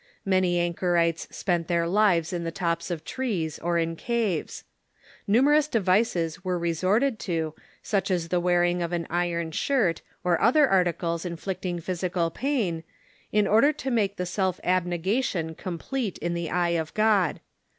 Many anchorites spent their lives in the tops of trees, or in caves. Numerous devices were resorted to, such as the wearing of an iron shirt, or other arti cles inflicting physical pain, in order to make the self abnega tion complete in the eye of God.